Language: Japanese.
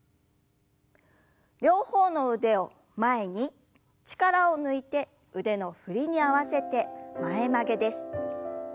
両方の腕を前に力を抜いて腕の振りに合わせて前曲げです。